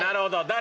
誰？